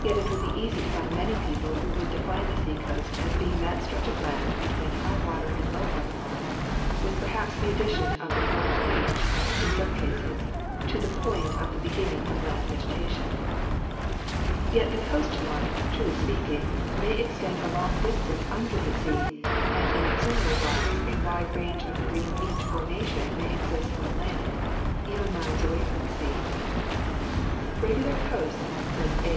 Yet it would be easy to find many people who would define the seacoast as being that stretch of land between high water and low water mark, with perhaps the addition of the former beach (in some cases) , to the point of the beginning of land vegetation. Yet the coast line, truly speaking, may Fig. 30 — Evolution of River System. First Stage. Fig. 31 — River System. Second Stage. extend a long distance under the sea, and in similar wise a wide range of marine beach formation may exist on land, even miles away from the sea. "Regular coasts," says A.